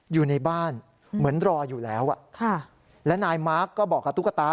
อยู่ในบ้านเหมือนรออยู่แล้วอ่ะค่ะและนายมาร์คก็บอกกับตุ๊กตา